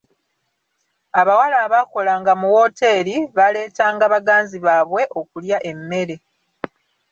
Abawala abaakolanga mu wooteri baleetanga baganzi baabwe okulya emmere.